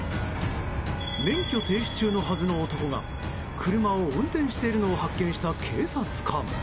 免許停止中のはずの男が車を運転しているのを発見した警察官。